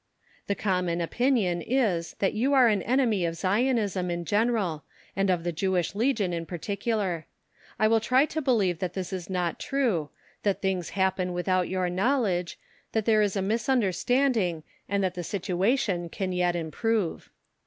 The common opinion is that you are an enemy of Zionism in general, and of the Jewish Legion in particular. I still try to believe that this is not true, that things happen without your knowledge, that there is a misunderstanding, and that the situation can yet improve.